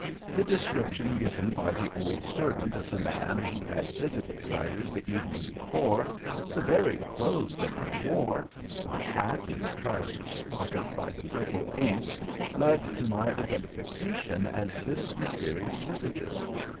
The description given by the old servant of the man who had visited Siders the evening before, the very clothes that I wore, my hat and the trousers spotted by the purple ink, led to my identification as this mysterious visitor.